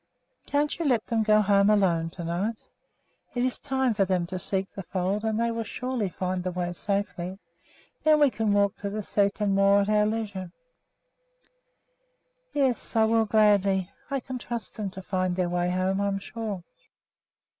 "Can't you let them go home alone to night? It is time for them to seek the fold, and they will surely find the way safely. Then we can walk to the sæter more at our leisure." "Yes, I will gladly. I can trust them to find their way home, I am sure."